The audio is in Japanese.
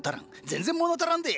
全然物足らんで。